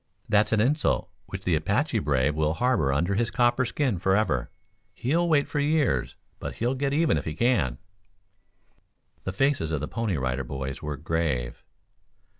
That's an insult which the Apache brave will harbor under his copper skin forever. He'll wait for years, but he'll get even if he can." The faces of the Pony Rider Boys were grave.